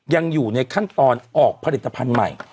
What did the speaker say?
ยังอยู่ในขั้นตอนออกผลิตภัณฑ์ใหม่